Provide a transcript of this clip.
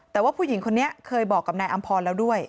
แต่ว่าผู้หญิงคนนี้เคยบอกกับนายอำพรแล้วด้วย